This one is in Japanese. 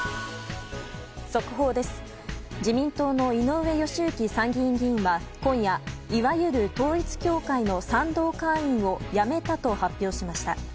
自民党の井上義行参議院議員は今夜、いわゆる統一教会の賛同会員を辞めたと発表しました。